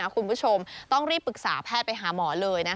คุณผู้ชมต้องรีบปรึกษาแพทย์ไปหาหมอเลย